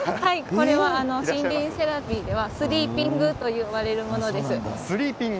これは森林セラピーではスリーピングと呼ばれるものです。